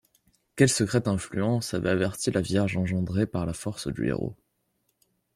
Quelle secrète influence avait averti la vierge engendrée par la force du héros?